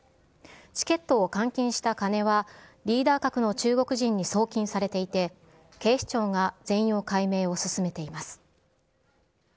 チケットを換金した金はリーダー格の中国人に送金されていて、警視庁が全容解明を進めています。